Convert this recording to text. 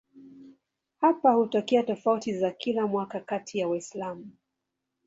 Hapa hutokea tofauti za kila mwaka kati ya Waislamu.